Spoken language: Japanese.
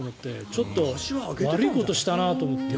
ちょっと悪いことしたなって。